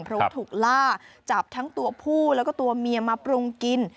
เพราะว่าถูกล่าจับทั้งตัวผู้แล้วก็ตัวเมียมาปรุงกิน